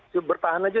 jadi bertahan aja